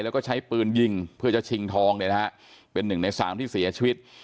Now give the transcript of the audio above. แล้วก็ใช้ปืนยิงเพื่อจะชิงทองเนี่ยนะฮะเป็นหนึ่งในสามที่เสียชีวิต